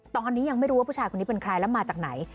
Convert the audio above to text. ตอนนี้ยังไม่รู้ว่าผู้ชายคนนี้เป็นใครแล้วมาจากไหน